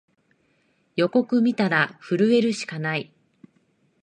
予告みたら震えるしかない